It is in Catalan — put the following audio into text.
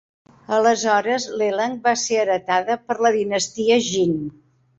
Aleshores, Lelang va ser heretada per la dinastia Jin.